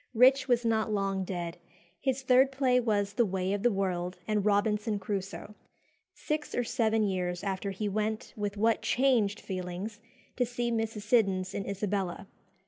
Rich was not long dead. His third play was "The Way of the World" and "Robinson Crusoe." Six or seven years after he went (with what changed feelings!) to see Mrs. Siddons in Isabella.